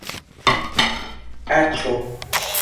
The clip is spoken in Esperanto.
kaĉo